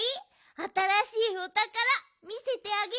あたらしいおたからみせてあげるよ。